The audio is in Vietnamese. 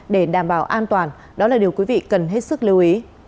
để đảm bảo an toàn đó là điều quý vị cần hết sức lưu ý